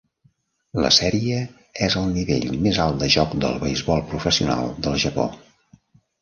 La sèrie és el nivell més alt de joc del beisbol professional del Japó.